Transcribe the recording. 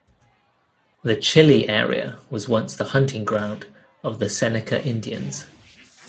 The Chili area was once the hunting ground of the Seneca Indians.